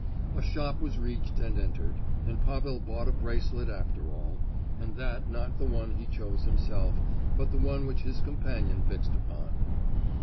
A shop was reached and entered, and Pavel bought a bracelet after all, and that not the one he chose himself, but the one which his companion fixed upon.